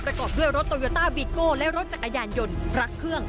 ประกอบด้วยรถโตโยต้าบีโก้และรถจักรยานยนต์พลัดเครื่อง